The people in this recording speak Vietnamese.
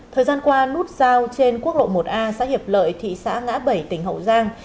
thời gian qua nút giao trên quốc lộ một a xã hiệp lợi thị xã ngã bảy tỉnh hậu giang